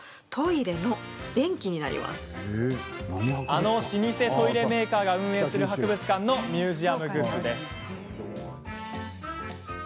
あの老舗トイレメーカーが運営する博物館のミュージアムグッズです。